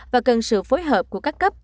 và cần sự phối hợp của các cấp